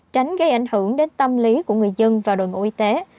tránh gây ảnh hưởng đến tâm lý của người dân và đội ngũ y tế